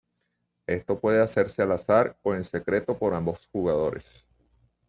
Esto puede hacerse al azar o en secreto por ambos jugadores.